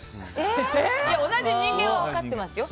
同じ人間は分かってますよ。